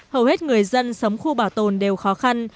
hầu hết người dân sống khu bảo tồn đều khó khăn